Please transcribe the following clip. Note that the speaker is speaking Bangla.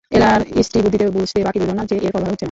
এলার স্ত্রীবুদ্ধিতে বুঝতে বাকি রইল না যে, এর ফল ভালো হচ্ছে না।